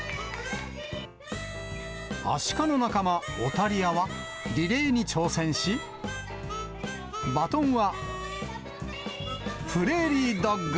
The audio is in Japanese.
アシカの仲間、オタリアは、リレーに挑戦し、バトンはプレーリードッグ。